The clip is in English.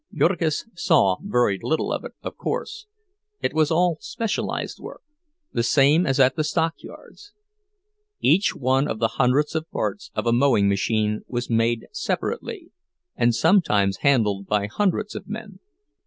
Jurgis saw very little of it, of course—it was all specialized work, the same as at the stockyards; each one of the hundreds of parts of a mowing machine was made separately, and sometimes handled by hundreds of men.